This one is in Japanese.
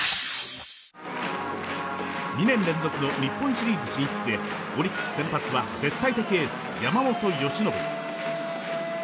２年連続日本シリーズ進出へオリックス先発は絶対的エース山本由伸。